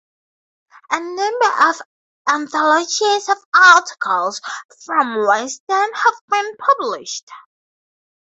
A number of anthologies of articles from Wisden have been published.